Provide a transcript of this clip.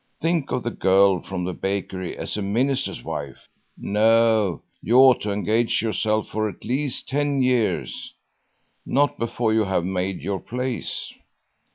Think of the girl from the bakery as a minister's wife! No, you ought not to engage yourself for at least ten years, not before you have made your place.